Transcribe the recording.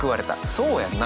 そうやんな。